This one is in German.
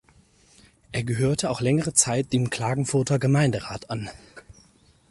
Er gehörte auch längere Zeit dem Klagenfurter Gemeinderat an.